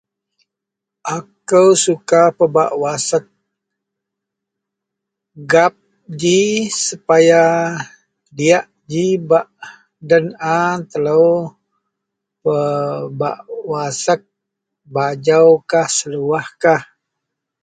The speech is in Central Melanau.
Aku suka pebak wasek gap ji supaya den a telo wasek ji bajukah atau seluah.